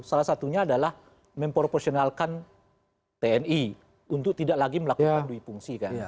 salah satunya adalah memproporsionalkan tni untuk tidak lagi melakukan dui fungsi kan